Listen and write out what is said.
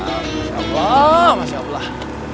masya allah masya allah